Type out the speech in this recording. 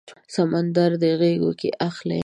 سمندر غیږو کې اخلي